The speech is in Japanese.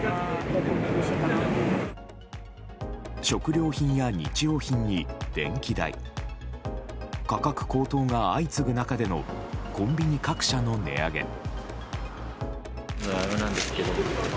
食料品や日用品に電気代価格高騰が相次ぐ中でのコンビニ各社の値上げ。